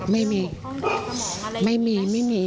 ไม่มีไม่มีไม่มี